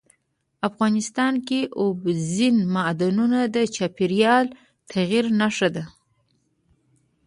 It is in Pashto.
افغانستان کې اوبزین معدنونه د چاپېریال د تغیر نښه ده.